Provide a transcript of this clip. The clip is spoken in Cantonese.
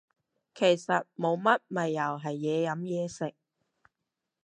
其實冇乜咪又係嘢飲嘢食